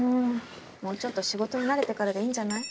もうちょっと仕事に慣れてからでいいんじゃない？